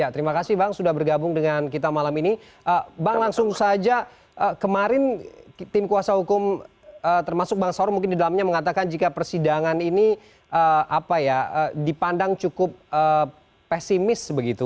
terima kasih bang sudah bergabung dengan kita malam ini bang langsung saja kemarin tim kuasa hukum termasuk bang saur mungkin di dalamnya mengatakan jika persidangan ini dipandang cukup pesimis begitu